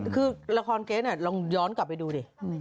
คือละครเก๊เนี่ยลองย้อนกลับไปดูดิ